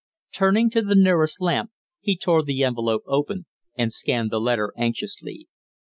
Turning to the nearest lamp, he tore the envelope open and scanned the letter anxiously.